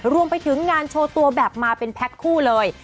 รวมไปถึงงานโชว์ตัวแบบมาเป็นแพ็คคู่เลย